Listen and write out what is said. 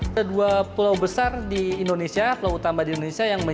ada dua pulau besar di indonesia pulau utama di indonesia